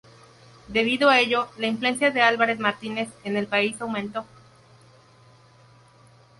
Debido a ello, la influencia de Álvarez Martínez en el país aumentó.